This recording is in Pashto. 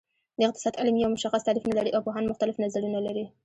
د اقتصاد علم یو مشخص تعریف نلري او پوهان مختلف نظرونه لري